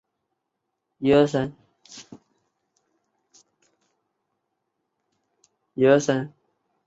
雷豪是德国巴伐利亚州的一个市镇。